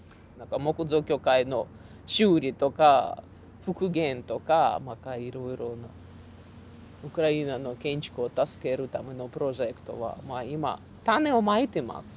木造教会の修理とか復元とかまたいろいろなウクライナの建築を助けるためのプロジェクトは今種をまいてますし。